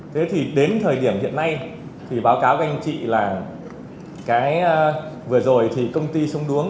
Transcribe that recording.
thế thì đến thời điểm hiện nay thì báo cáo cho anh chị là cái vừa rồi thì công ty xung đuổi